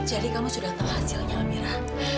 jadi kamu sudah tahu hasilnya amira